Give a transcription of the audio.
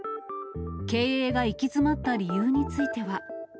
経営が行き詰った理由については。